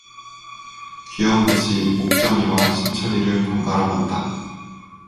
귀여운 듯이 옥점이와 신철이를 번갈아 본다.